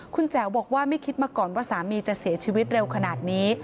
คุณแจ๋วบอกว่าไม่คิดมาก่อนว่าสามีจะเสียชีวิตเร็วขนาดนี้